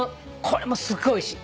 これもすっごいおいしい。